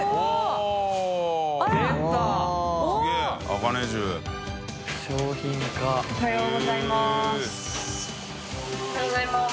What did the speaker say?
茜Ｄ）おはようございます。